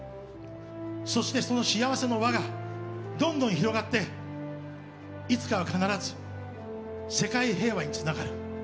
そして、その幸せの輪がどんどん広がっていつかは必ず世界平和につながる。